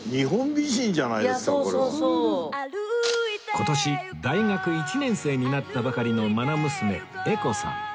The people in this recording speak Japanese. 今年大学１年生になったばかりのまな娘絵子さん